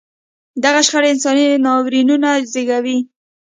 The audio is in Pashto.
دغه شخړې انساني ناورینونه زېږوي.